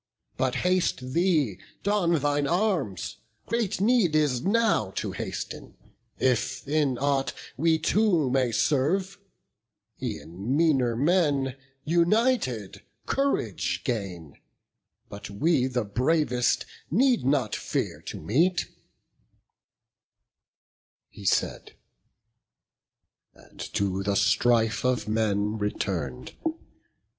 But haste thee, don thine arms; great need is now To hasten, if in aught we two may serve: E'en meaner men, united, courage gain; But we the bravest need not fear to meet." He said, and to the strife of men return'd.